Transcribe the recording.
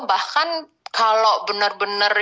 bahkan kalau benar benar